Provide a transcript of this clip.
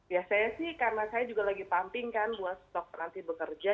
ya saya sih karena saya juga lagi pumping kan buat stok nanti bekerja